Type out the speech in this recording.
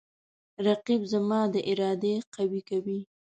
رقیب زما د ارادې قوی کوي